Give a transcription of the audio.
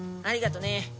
ありがとね。